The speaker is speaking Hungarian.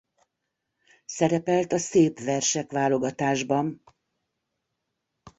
Szerepelt a Szép Versek válogatásban.